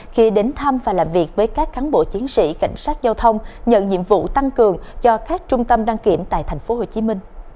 khi đến thăm và làm việc với các cán bộ chiến sĩ cảnh sát giao thông nhận nhiệm vụ tăng cường cho các trung tâm đăng kiểm tại tp hcm